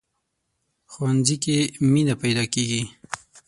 ښوونځی کې مینه پيداکېږي